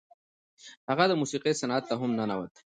هغه د موسیقۍ صنعت ته هم ننوت.